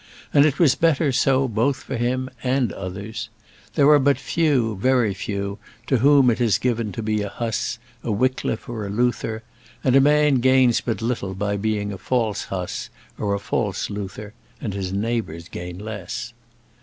And it was better so both for him and others. There are but few, very few, to whom it is given to be a Huss, a Wickliffe, or a Luther; and a man gains but little by being a false Huss, or a false Luther, and his neighbours gain less.